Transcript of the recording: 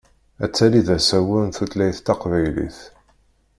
Ad tali d asawen tutlayt taqbaylit.